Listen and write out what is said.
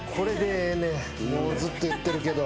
もうずっと言ってるけど。